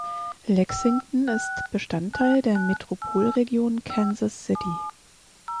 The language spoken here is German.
Lexington ist Bestandteil der Metropolregion Kansas City.